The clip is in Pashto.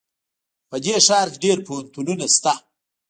په دې ښار کې ډېر پوهنتونونه شته